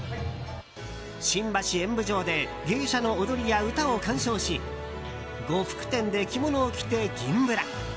新橋演舞場で芸者の踊りや歌を鑑賞し呉服店で着物を着て銀ぶら。